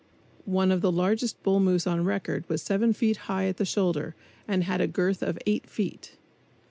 One of the largest bull moose on record was seven feet high at the shoulders and had a girth of eight feet.